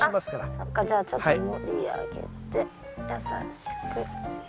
そっかじゃあちょっと盛り上げて優しく。